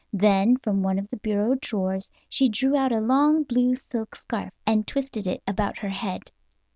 Then from one of the bureau drawers she drew out a long blue silk scarf, and twisted it about her head.